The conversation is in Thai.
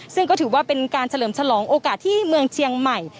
ซึ่งก็ถือว่าเป็นการเฉลิมฉลองโอกาสที่เมืองเชียงใหม่